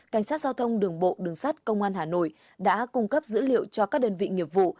cảnh sát giao thông đường bộ đường sát công an hà nội đã cung cấp dữ liệu cho các đơn vị nghiệp vụ